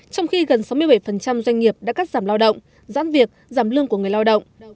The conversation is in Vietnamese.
trong khi gần sáu mươi bảy doanh nghiệp đã cắt giảm lao động giãn việc giảm lương của người lao động